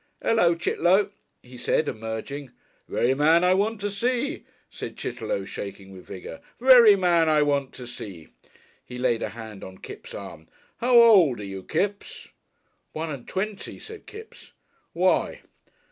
"Ullo, Chit'low," he said, emerging. "Very man I want to see," said Chitterlow, shaking with vigour. "Very man I want to see." He laid a hand on Kipps' arm. "How old are you, Kipps?" "One and twenty," said Kipps. "Why?"